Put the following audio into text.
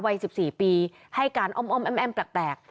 วัย๑๔ปีให้การอ้อมแอ้มแปลก